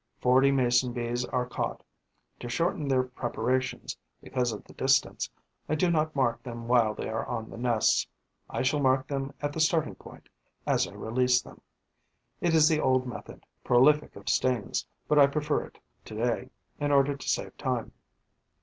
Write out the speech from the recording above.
Forty Mason bees are caught. To shorten the preparations, because of the distance, I do not mark them while they are on the nests; I shall mark them at the starting point, as I release them. It is the old method, prolific of stings; but I prefer it to day, in order to save time.